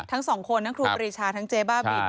ทั้งสองคนทั้งครูปรีชาทั้งเจ๊บ้าบิน